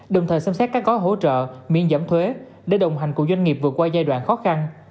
đồng thời xem xét các gói hỗ trợ miễn giảm thuế để đồng hành cùng doanh nghiệp vượt qua giai đoạn khó khăn